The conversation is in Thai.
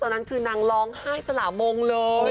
ตอนนั้นคือนางร้องไห้สละมงเลย